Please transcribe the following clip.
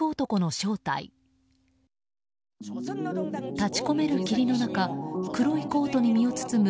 立ち込める霧の中黒いコートに身を包む